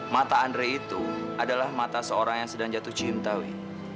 mata andre itu adalah mata seorang yang sedang jatuh cinta wi